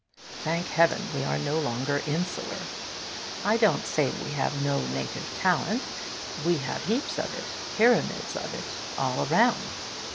Thank heaven, we are no longer insular. I don't say we have no native talent. We have heaps of it, pyramids of it, all around.